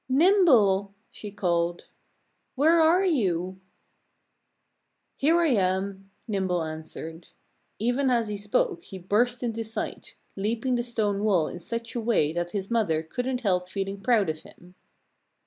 "Nimble!" she called. "Where are you?" "Here I am!" Nimble answered. Even as he spoke he burst into sight, leaping the stone wall in such a way that his mother couldn't help feeling proud of him.